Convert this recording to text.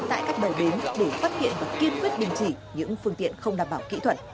tại các bầu đếm để phát hiện và kiên quyết bình chỉ những phương tiện không đảm bảo kỹ thuật